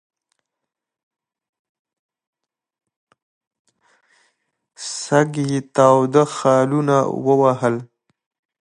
سږ یې تاوده خالونه ووهل.